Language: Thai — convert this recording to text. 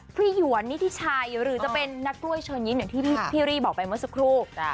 พรีหยวนนี่ที่ชายหรือจะเป็นนักด้วยเชิญญินเหมือนที่พี่รีบอกไปเมื่อสักครู่